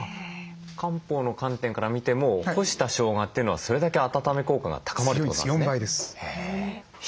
漢方の観点から見ても干したしょうがというのはそれだけ温め効果が高まるってことなんですね？